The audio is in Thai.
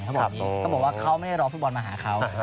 เขาบอกว่าเขาไม่ได้รอฟุตบอลมาหาเขา